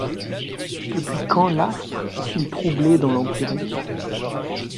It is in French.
Depuis quand l'astre est-il troublé dans l'empyrée